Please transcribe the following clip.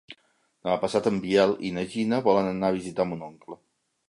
Demà passat en Biel i na Gina volen anar a visitar mon oncle.